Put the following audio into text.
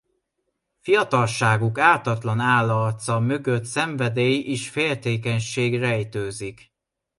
Fiatalságuk ártatlan álarca mögött szenvedély és féltékenység rejtőzik.